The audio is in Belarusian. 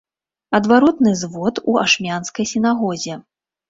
Адваротны звод у ашмянскай сінагозе.